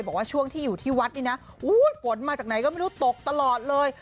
บอกว่าช่วงที่อยู่ที่วัดนี่นะฝนมาจากไหนก็ไม่รู้ตกตลอดเลย